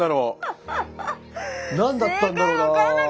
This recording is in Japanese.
何だったんだろうな。